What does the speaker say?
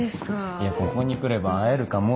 いやここに来れば会えるかもって思って。